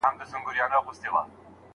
د روم او فارس خلک دغسي کوي.